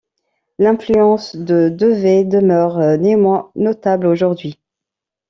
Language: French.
L'influence de Dewey demeure néanmoins notable aujourd'hui.